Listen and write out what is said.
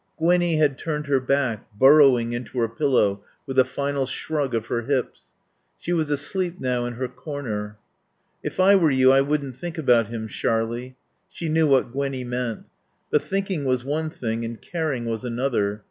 Gwinnie had turned her back, burrowing into her pillow with a final shrug of her hips. She was asleep now in her corner. "If I were you I wouldn't think about him, Sharlie" She knew what Gwinnie meant. But thinking was one thing and caring was another.